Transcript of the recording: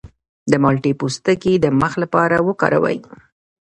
د مالټې پوستکی د مخ لپاره وکاروئ